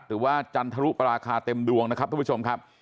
จันทรุปราคาเต็มดวงนะครับทุกผู้ชมครับ